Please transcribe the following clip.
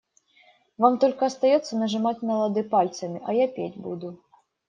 Вам только остается нажимать на лады пальцами, а я петь буду.